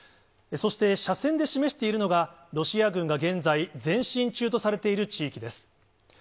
そして斜線で示しているのが、ロシア軍が現在、前進中とされている地域です。